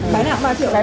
không mua thì thôi